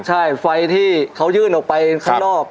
ใช่ไฟที่เขายื่นออกไปข้างนอก